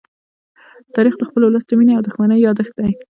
تاریخ د خپل ولس د مینې او دښمنۍ يادښت دی.